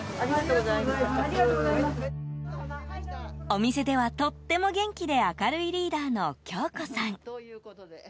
お店ではとっても元気で明るいリーダーの京子さん。